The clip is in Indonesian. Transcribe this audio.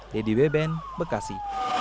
dedy beben bekasi